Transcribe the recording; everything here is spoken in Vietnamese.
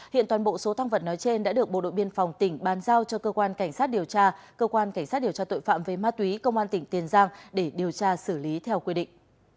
hiện toàn bộ số thăng vật nói trên đã được bộ đội biên phòng tỉnh bàn giao cho cơ quan cảnh sát điều tra cơ quan cảnh sát điều tra tội phạm về ma túy công an tỉnh tiền giang để điều tra xử lý theo quy định